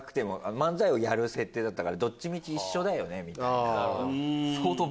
漫才をやる設定だったからどっちみち一緒だよねみたいな。